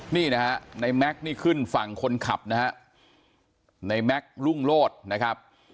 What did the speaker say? นี่นะฮะในแม็กซ์นี่ขึ้นฝั่งคนขับนะฮะในแม็กซ์รุ่งโลศนะครับ